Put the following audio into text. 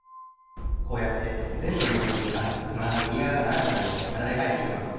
こうやってぜんぶの２ほんぐみがかならずみぎがわがながくなるようならべかえていきます。